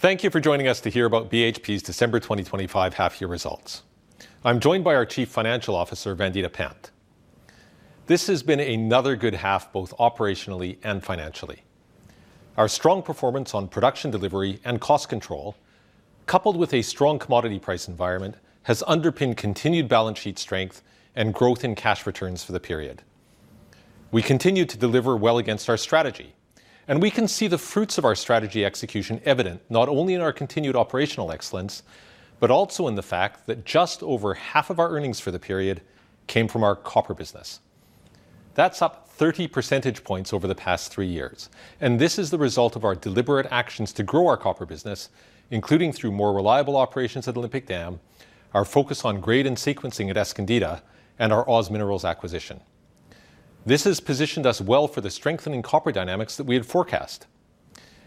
Thank you for joining us to hear about BHP's December 2025 Half Year Results. I'm joined by our Chief Financial Officer, Vandita Pant. This has been another good half, both operationally and financially. Our strong performance on production delivery and cost control, coupled with a strong commodity price environment, has underpinned continued balance sheet strength and growth in cash returns for the period. We continued to deliver well against our strategy, and we can see the fruits of our strategy execution evident, not only in our continued operational excellence, but also in the fact that just over half of our earnings for the period came from our copper business. That's up 30 percentage points over the past three years, and this is the result of our deliberate actions to grow our copper business, including through more reliable operations at Olympic Dam, our focus on grade and sequencing at Escondida, and our OZ Minerals acquisition. This has positioned us well for the strengthening copper dynamics that we had forecast,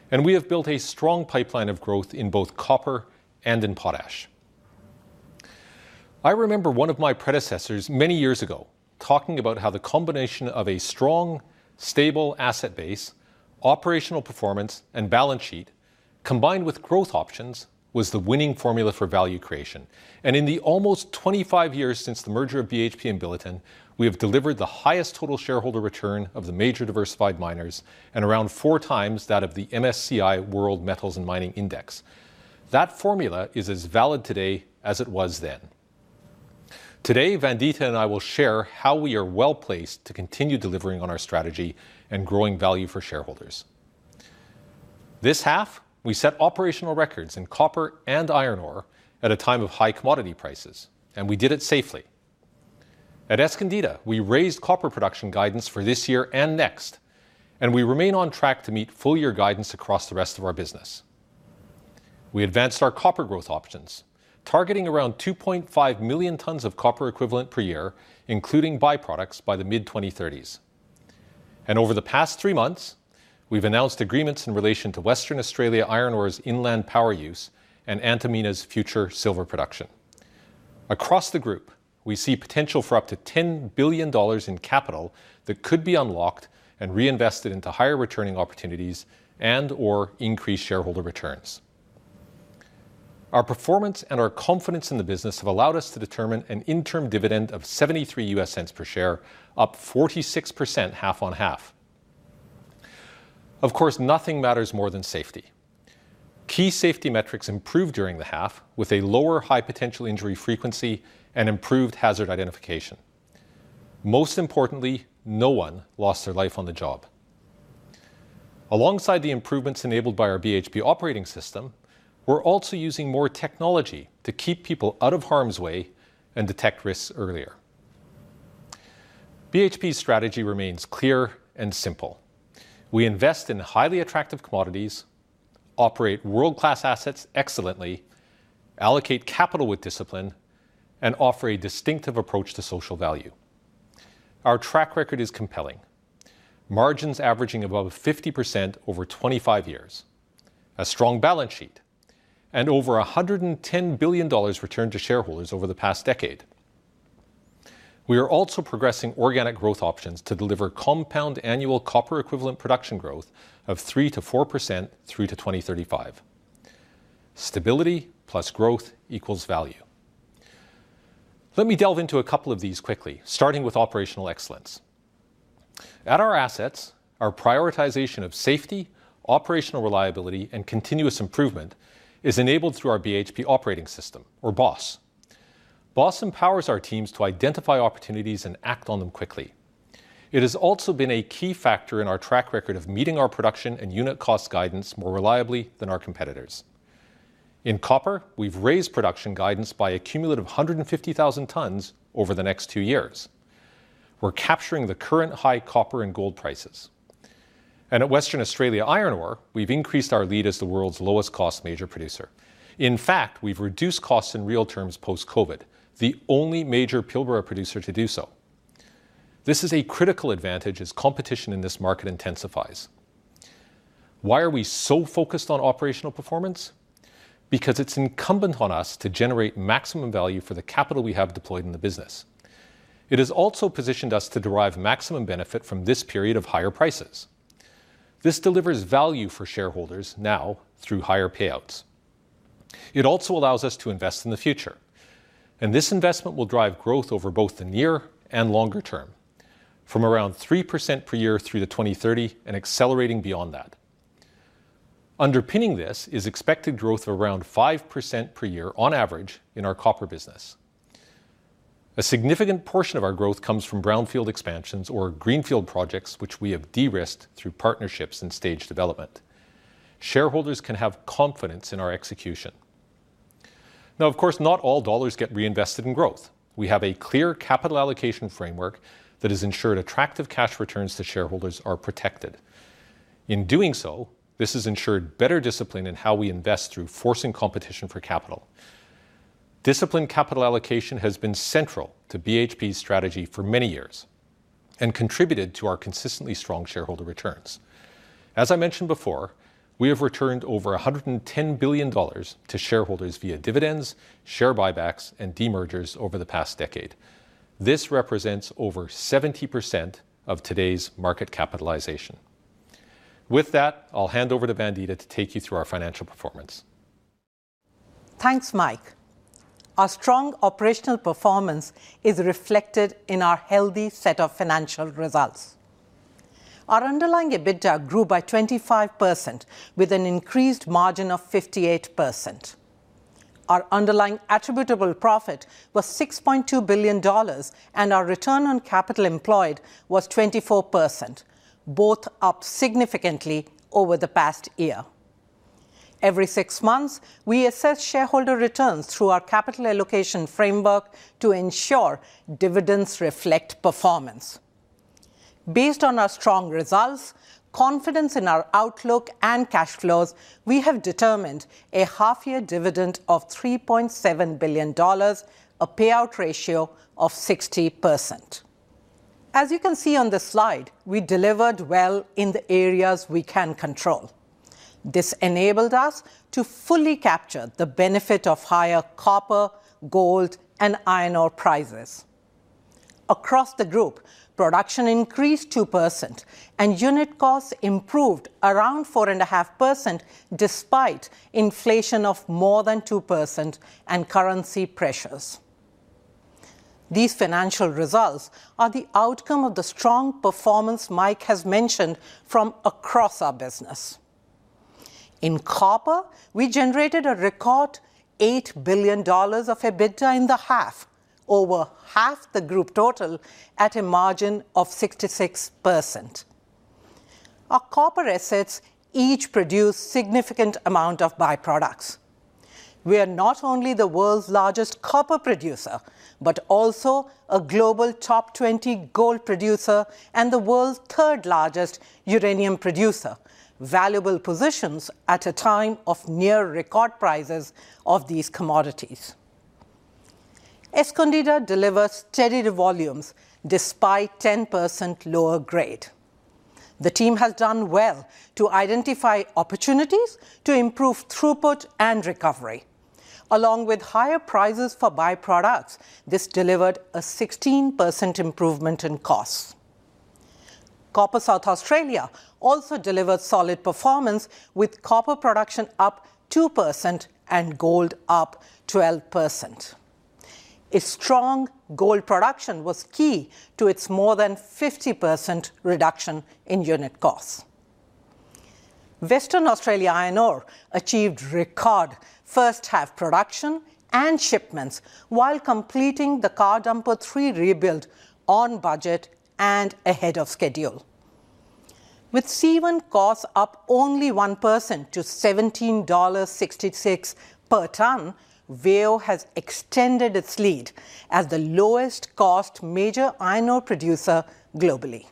and we have built a strong pipeline of growth in both copper and in potash. I remember one of my predecessors many years ago talking about how the combination of a strong, stable asset base, operational performance, and balance sheet, combined with growth options, was the winning formula for value creation. In the almost 25 years since the merger of BHP and Billiton, we have delivered the highest total shareholder return of the major diversified miners and around 4x that of the MSCI World Metals and Mining Index. That formula is as valid today as it was then. Today, Vandita and I will share how we are well-placed to continue delivering on our strategy and growing value for shareholders. This half, we set operational records in copper and iron ore at a time of high commodity prices, and we did it safely. At Escondida, we raised copper production guidance for this year and next, and we remain on track to meet full-year guidance across the rest of our business. We advanced our copper growth options, targeting around 2.5 million tons of copper equivalent per year, including byproducts, by the mid-2030s. And over the past three months, we've announced agreements in relation to Western Australia Iron Ore's inland power use and Antamina's future silver production. Across the group, we see potential for up to $10 billion in capital that could be unlocked and reinvested into higher-returning opportunities and/or increased shareholder returns. Our performance and our confidence in the business have allowed us to determine an interim dividend of $0.73 per share, up 46% half-on-half. Of course, nothing matters more than safety. Key safety metrics improved during the half, with a lower high-potential injury frequency and improved hazard identification. Most importantly, no one lost their life on the job. Alongside the improvements enabled by our BHP Operating System, we're also using more technology to keep people out of harm's way and detect risks earlier. BHP's strategy remains clear and simple. We invest in highly attractive commodities, operate world-class assets excellently, allocate capital with discipline, and offer a distinctive approach to social value. Our track record is compelling. Margins averaging above 50% over 25 years, a strong balance sheet, and over $110 billion returned to shareholders over the past decade. We are also progressing organic growth options to deliver compound annual copper-equivalent production growth of 3%-4% through to 2035. Stability plus growth equals value. Let me delve into a couple of these quickly, starting with operational excellence. At our assets, our prioritization of safety, operational reliability, and continuous improvement is enabled through our BHP Operating System, or BOS. BOS empowers our teams to identify opportunities and act on them quickly. It has also been a key factor in our track record of meeting our production and unit cost guidance more reliably than our competitors. In copper, we've raised production guidance by a cumulative 150,000 tons over the next two years. We're capturing the current high copper and gold prices. At Western Australia Iron Ore, we've increased our lead as the world's lowest-cost major producer. In fact, we've reduced costs in real terms post-COVID, the only major Pilbara producer to do so. This is a critical advantage as competition in this market intensifies. Why are we so focused on operational performance? Because it's incumbent on us to generate maximum value for the capital we have deployed in the business. It has also positioned us to derive maximum benefit from this period of higher prices. This delivers value for shareholders now through higher payouts. It also allows us to invest in the future, and this investment will drive growth over both the near and longer term, from around 3% per year through to 2030 and accelerating beyond that. Underpinning this is the expected growth of around 5% per year on average in our copper business. A significant portion of our growth comes from brownfield expansions or greenfield projects, which we have de-risked through partnerships and staged development. Shareholders can have confidence in our execution. Now, of course, not all dollars get reinvested in growth. We have a clear capital allocation framework that has ensured attractive cash returns to shareholders are protected. In doing so, this has ensured better discipline in how we invest through forcing competition for capital. Disciplined capital allocation has been central to BHP's strategy for many years and contributed to our consistently strong shareholder returns. As I mentioned before, we have returned over $110 billion to shareholders via dividends, share buybacks, and demergers over the past decade. This represents over 70% of today's market capitalization. With that, I'll hand over to Vandita to take you through our financial performance. Thanks, Mike. Our strong operational performance is reflected in our healthy set of financial results. Our underlying EBITDA grew by 25%, with an increased margin of 58%. Our underlying attributable profit was $6.2 billion, and our return on capital employed was 24%, both up significantly over the past year. Every six months, we assess shareholder returns through our capital allocation framework to ensure dividends reflect performance. Based on our strong results, confidence in our outlook and cash flows, we have determined a half-year dividend of $3.7 billion, a payout ratio of 60%. As you can see on the slide, we delivered well in the areas we can control. This enabled us to fully capture the benefit of higher copper, gold, and iron ore prices. Across the group, production increased 2%, and unit costs improved by around 4.5%, despite inflation of more than 2% and currency pressures. These financial results are the outcome of the strong performance Mike has mentioned across our business. In copper, we generated a record $8 billion of EBITDA in the half, over half the group total, at a margin of 66%. Our copper assets each produce a significant amount of byproducts. We are not only the world's largest copper producer, but also a global top 20 gold producer and the world's third-largest uranium producer, valuable positions at a time of near-record prices of these commodities. Escondida delivered steady volumes despite 10% lower grade. The team has done well to identify opportunities to improve throughput and recovery. Along with higher prices for byproducts, this delivered a 16% improvement in costs. Copper South Australia also delivered a solid performance, with copper production up 2% and gold up 12%. Its strong gold production was key to its more than 50% reduction in unit costs. Western Australia Iron Ore achieved record first-half production and shipments while completing the Car Dumper 3 rebuild on budget and ahead of schedule. With C1 costs up only 1% to $17.66 per ton, WAIO has extended its lead as the lowest-cost major iron ore producer globally.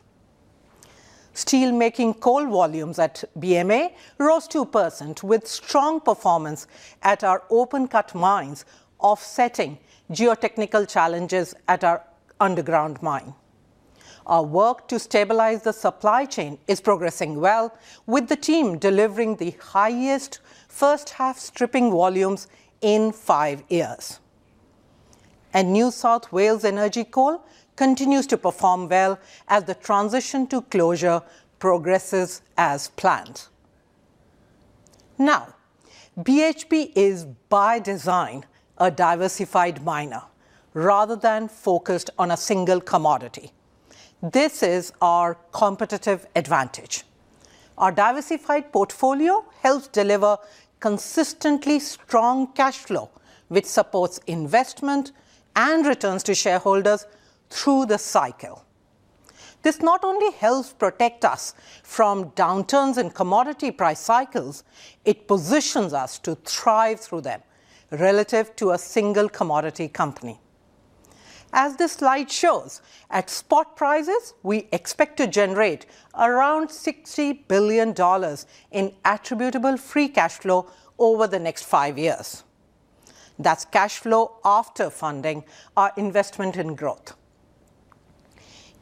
Steelmaking coal volumes at BMA rose 2%, with strong performance at our open-cut mines, offsetting geotechnical challenges at our underground mine. Our work to stabilize the supply chain is progressing well, with the team delivering the highest first-half stripping volumes in 5 years. New South Wales Energy Coal continues to perform well as the transition to closure progresses as planned. Now, BHP is by design a diversified miner rather than focused on a single commodity. This is our competitive advantage. Our diversified portfolio helps deliver consistently strong cash flow, which supports investment and returns to shareholders through the cycle. This not only helps protect us from downturns in commodity price cycles, but it also positions us to thrive through them relative to a single-commodity company. As this slide shows, at spot prices, we expect to generate around $60 billion in attributable free cash flow over the next 5 years. That's cash flow after funding our investment in growth.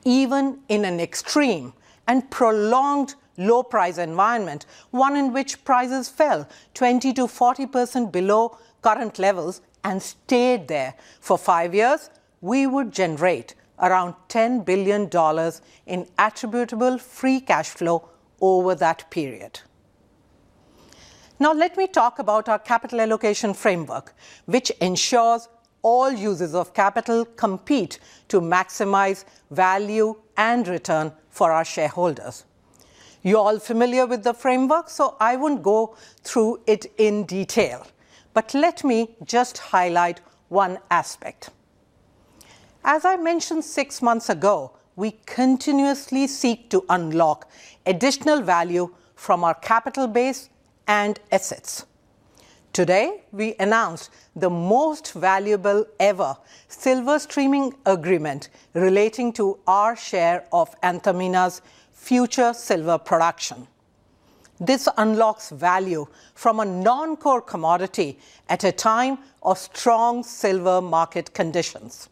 Even in an extreme and prolonged low-price environment, one in which prices fell 20%-40% below current levels and stayed there for 5 years, we would generate around $10 billion in attributable free cash flow over that period. Now, let me talk about our capital allocation framework, which ensures all users of capital compete to maximize value and return for our shareholders. You're all familiar with the framework, so I won't go through it in detail, but let me just highlight one aspect. As I mentioned six months ago, we continuously seek to unlock additional value from our capital base and assets. Today, we announce the most valuable ever silver streaming agreement relating to our share of Antamina's future silver production. This unlocks value from a non-core commodity at a time of strong silver market conditions.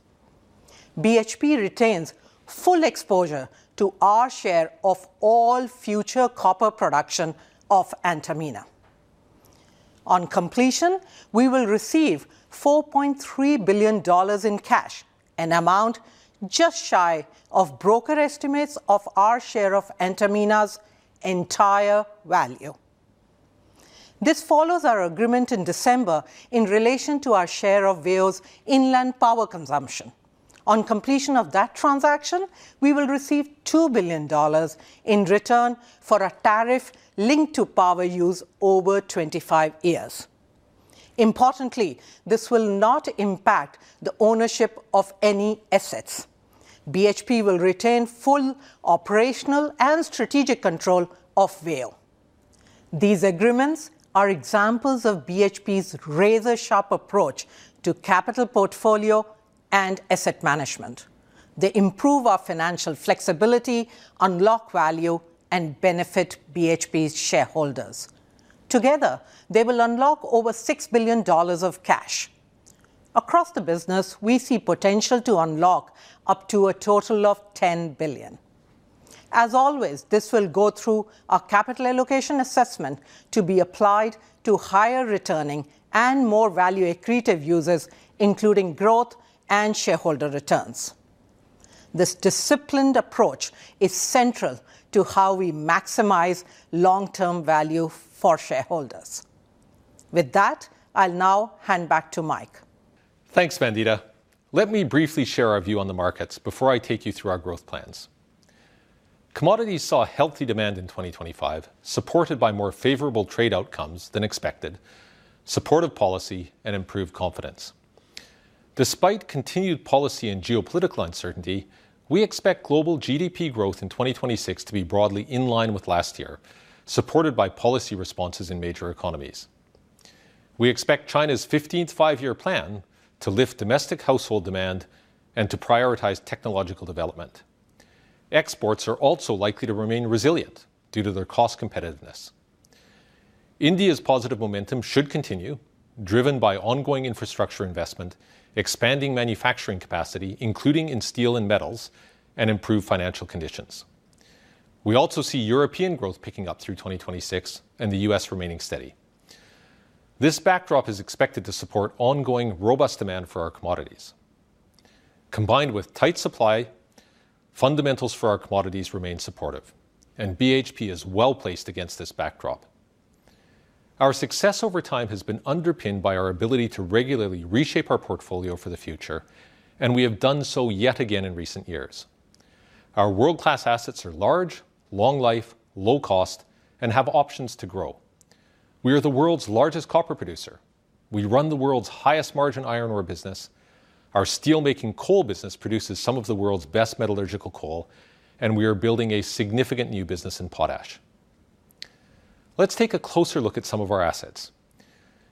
BHP retains full exposure to our share of all future copper production of Antamina. On completion, we will receive $4.3 billion in cash, an amount just shy of broker estimates of our share of Antamina's entire value. This follows our agreement in December in relation to our share of WAIO's inland power consumption. On completion of that transaction, we will receive $2 billion in return for a tariff linked to power use over 25 years. Importantly, this will not impact the ownership of any assets. BHP will retain full operational and strategic control of WAIO. These agreements are examples of BHP's razor-sharp approach to capital portfolio and asset management. They improve our financial flexibility, unlock value, and benefit BHP's shareholders. Together, they will unlock over $6 billion of cash. Across the business, we see potential to unlock up to a total of $10 billion. As always, this will go through our capital allocation assessment to be applied to higher-returning and more value-accretive users, including growth and shareholder returns. This disciplined approach is central to how we maximize long-term value for shareholders. With that, I'll now hand back to Mike. Thanks, Vandita. Let me briefly share our view on the markets before I take you through our growth plans. Commodities saw healthy demand in 2025, supported by more favorable trade outcomes than expected, supportive policy, and improved confidence. Despite continued policy and geopolitical uncertainty, we expect global GDP growth in 2026 to be broadly in line with last year, supported by policy responses in major economies. We expect China's 15th five-year plan to lift domestic household demand and to prioritize technological development. Exports are also likely to remain resilient due to their cost competitiveness. India's positive momentum should continue, driven by ongoing infrastructure investment, expanding manufacturing capacity, including in steel and metals, and improved financial conditions. We also see European growth picking up through 2026, and the U.S. remaining steady. This backdrop is expected to support ongoing robust demand for our commodities. Combined with tight supply, fundamentals for our commodities remain supportive, and BHP is well-placed against this backdrop. Our success over time has been underpinned by our ability to regularly reshape our portfolio for the future, and we have done so yet again in recent years. Our world-class assets are large, long-life, low-cost, and have options to grow. We are the world's largest copper producer. We run the world's highest-margin iron ore business. Our steelmaking coal business produces some of the world's best metallurgical coal, and we are building a significant new business in potash. Let's take a closer look at some of our assets.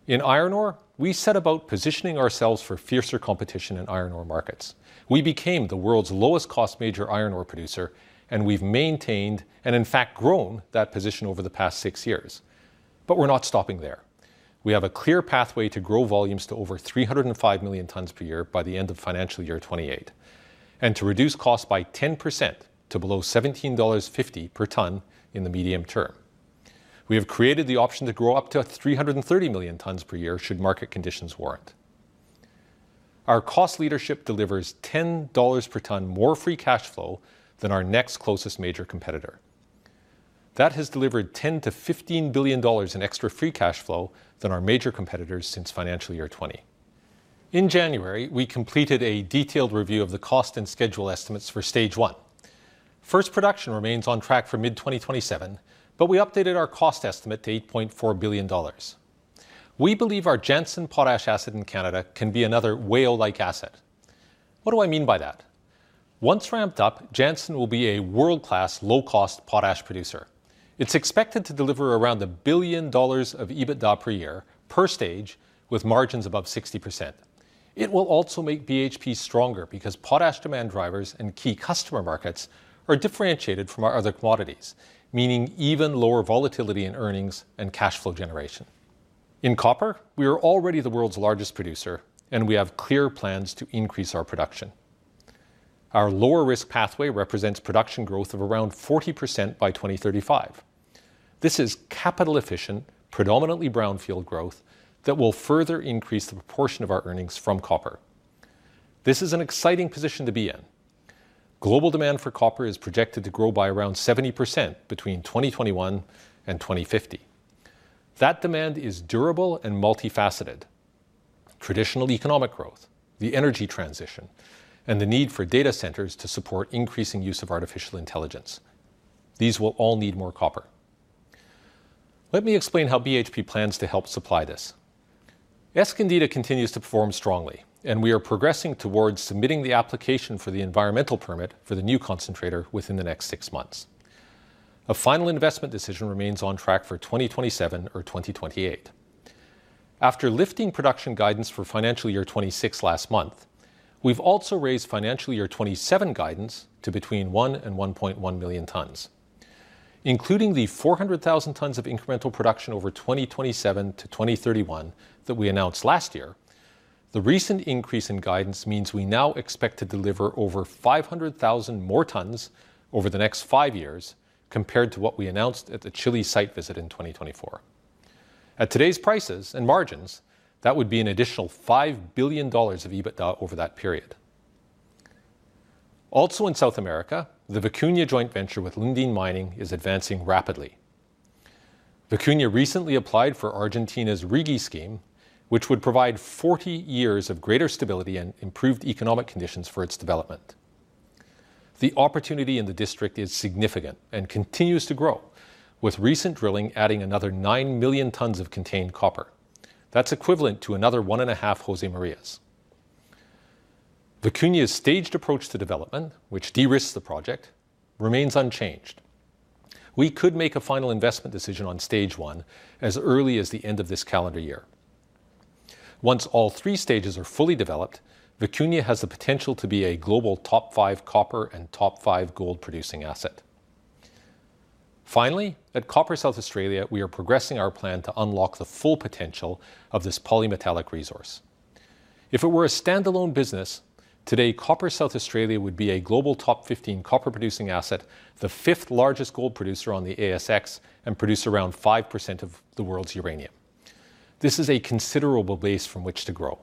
In iron ore, we set about positioning ourselves for fiercer competition in iron ore markets. We became the world's lowest-cost major iron ore producer, and we've maintained and in fact, grown that position over the past six years. But we're not stopping there. We have a clear pathway to grow volumes to over 305 million tons per year by the end of the financial year 2028, and to reduce costs by 10% to below $17.50 per ton in the medium term. We have created the option to grow up to 330 million tons per year, should market conditions warrant. Our cost leadership delivers $10 per ton more free cash flow than our next closest major competitor. That has delivered $10 billion to $15 billion in extra free cash flow over our major competitors since the financial year 2020. In January, we completed a detailed review of the cost and schedule estimates for stage one. First production remains on track for mid-2027, but we updated our cost estimate to $8.4 billion. We believe our Jansen Potash asset in Canada can be another WAIO-like asset. What do I mean by that? Once ramped up, Jansen will be a world-class, low-cost potash producer. It's expected to deliver around $1 billion of EBITDA per year per stage, with margins above 60%. It will also make BHP stronger because potash demand drivers and key customer markets are differentiated from our other commodities, meaning even lower volatility in earnings and cash flow generation. In copper, we are already the world's largest producer, and we have clear plans to increase our production. Our lower-risk pathway represents production growth of around 40% by 2035. This is capital-efficient, predominantly brownfield growth that will further increase the proportion of our earnings from copper. This is an exciting position to be in. Global demand for copper is projected to grow by around 70% between 2021 and 2050. That demand is durable and multifaceted. Traditional economic growth, the energy transition, and the need for data centers to support increasing use of artificial intelligence. These will all need more copper. Let me explain how BHP plans to help supply this. Escondida continues to perform strongly, and we are progressing towards submitting the application for the environmental permit for the new concentrator within the next six months. A final investment decision remains on track for 2027 or 2028. After lifting production guidance for financial year 2026 last month, we've also raised financial year 2027 guidance to between 1-1.1 million tons. Including the 400,000 tons of incremental production over 2027-2031 that we announced last year. The recent increase in guidance means we now expect to deliver over 500,000 more tons over the next 5 years compared to what we announced at the Chile site visit in 2024. At today's prices and margins, that would be an additional $5 billion of EBITDA over that period. Also, in South America, the Vicuña joint venture with Lundin Mining is advancing rapidly. Vicuña recently applied for Argentina's RIGI scheme, which would provide 40 years of greater stability and improved economic conditions for its development. The opportunity in the district is significant and continues to grow, with recent drilling adding another 9 million tons of contained copper. That's equivalent to another 1.5 Josemarías. Vicuña's staged approach to development, which de-risks the project, remains unchanged. We could make a final investment decision on stage one as early as the end of this calendar year. Once all three stages are fully developed, Vicuña has the potential to be a global top-five copper and top-five gold-producing asset. Finally, at Copper South Australia, we are progressing our plan to unlock the full potential of this polymetallic resource. If it were a standalone business, today, Copper South Australia would be a global top 15 copper-producing asset, the fifth-largest gold producer on the ASX, and produce around 5% of the world's uranium. This is a considerable base from which to grow.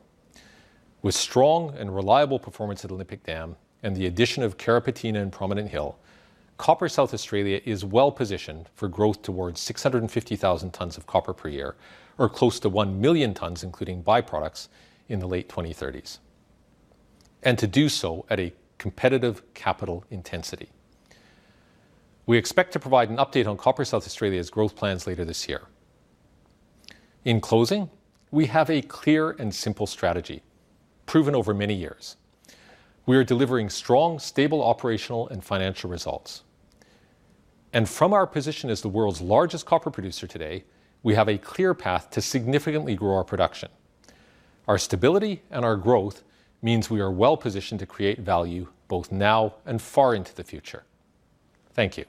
With strong and reliable performance at Olympic Dam and the addition of Carrapateena and Prominent Hill, Copper South Australia is well-positioned for growth towards 650,000 tons of copper per year, or close to 1,000,000 tons, including byproducts, in the late 2030s, and to do so at a competitive capital intensity. We expect to provide an update on Copper South Australia's growth plans later this year. In closing, we have a clear and simple strategy, proven over many years. We are delivering strong, stable, operational, and financial results. From our position as the world's largest copper producer today, we have a clear path to significantly grow our production. Our stability and our growth mean we are well-positioned to create value both now and far into the future. Thank you.